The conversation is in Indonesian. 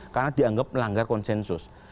karena dianggap melanggar konsensus